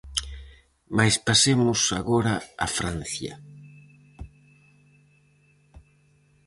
Mais pasemos agora a Francia.